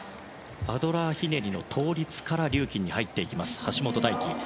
アドラーひねりの倒立からリューキンに入る橋本大輝。